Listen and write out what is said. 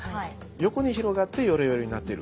横に広がってよれよれになっている。